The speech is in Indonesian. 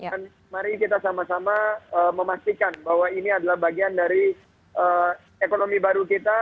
dan mari kita sama sama memastikan bahwa ini adalah bagian dari ekonomi baru kita